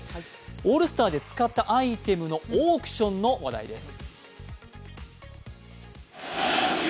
オールスターで使ったアイテムのオークションの話題です。